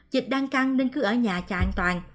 dịch đang căng nên cứ ở nhà cho an toàn